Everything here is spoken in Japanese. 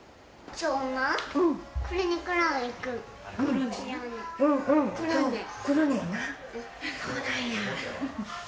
そうなんや。